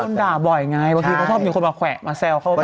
ด่าบ่อยไงบางทีเขาชอบมีคนมาแขวะมาแซวเขา